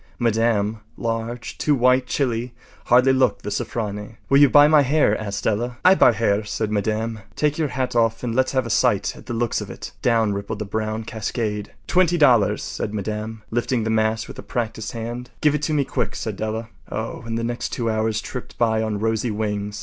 Madame, large, too white, chilly, hardly looked the “Sofronie.” “Will you buy my hair?” asked Della. “I buy hair,” said Madame. “Take yer hat off and let’s have a sight at the looks of it.” Down rippled the brown cascade. “Twenty dollars,” said Madame, lifting the mass with a practised hand. “Give it to me quick,” said Della. Oh, and the next two hours tripped by on rosy wings.